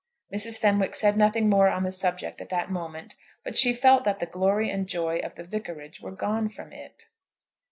Mrs. Fenwick said nothing more on the subject at that moment, but she felt that the glory and joy of the Vicarage were gone from it.